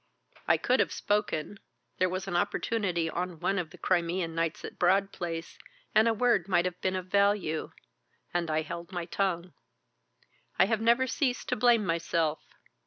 I could have spoken there was an opportunity on one of the Crimean nights at Broad Place, and a word might have been of value and I held my tongue. I have never ceased to blame myself.